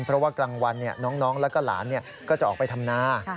เพราะว่ากลางวันน้องแล้วก็หลานก็จะออกไปทำนา